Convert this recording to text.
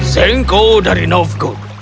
zangko dari novgat